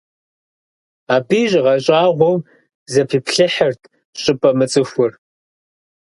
Абы игъэщӀагъуэу зэпиплъыхьырт щӀыпӏэ мыцӀыхур.